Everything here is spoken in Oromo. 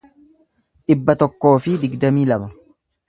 dhibba tokkoo fi digdamii lama